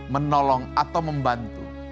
menolong atau membantu